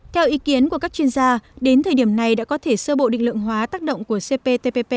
theo ý kiến của các chuyên gia đến thời điểm này đã có thể sơ bộ định lượng hóa tác động của cptpp đến các ngành kinh tế